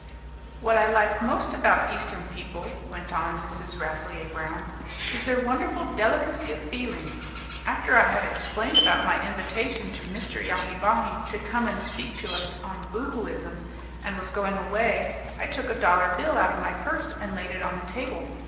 "What I like most about eastern people," went on Mrs. Rasselyer Brown, "is their wonderful delicacy of feeling. After I had explained about my invitation to Mr. Yahi Bahi to come and speak to us on Boohooism, and was going away, I took a dollar bill out of my purse and laid it on the table.